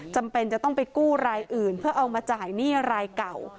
จำเป็นจะต้องไปกู้รายอื่นเพื่อเอามาจ่ายหนี้รายเก่า